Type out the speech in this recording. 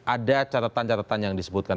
ada catatan catatan yang disebutkan